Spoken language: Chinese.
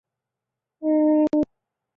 诸蒲县是越南嘉莱省下辖的一个县。